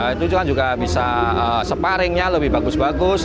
itu kan juga bisa sparingnya lebih bagus bagus